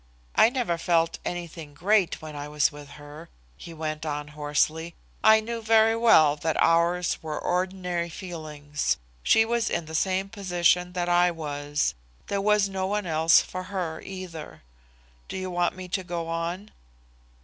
I never felt anything great when I was with her," he went on hoarsely. "I knew very well that ours were ordinary feelings. She was in the same position that I was. There was no one else for her, either. Do you want me to go on?"